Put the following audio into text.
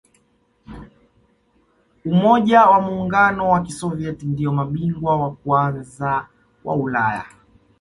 umoja wa muungano wa kisovieti ndiyo mabingwa wa kwanza wa ulaya